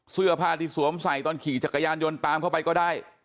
เสื้อผ้าที่สวมใส่ตอนขี่จักรยานยนต์ตามเข้าไปก็ได้